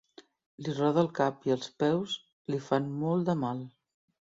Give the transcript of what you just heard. Li roda el cap i els peus li fan molt de mal.